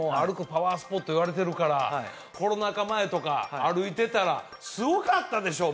パワースポットいわれてるからコロナ禍前とか歩いてたらすごかったでしょ？